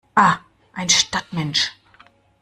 Ah, ein Stadtmensch!